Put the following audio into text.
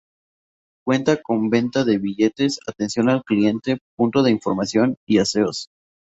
Cuenta con venta de billetes, atención al cliente, punto de información y aseos.